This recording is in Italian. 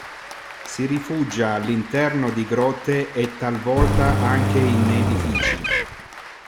Si rifugia all'interno di grotte e talvolta anche in edifici.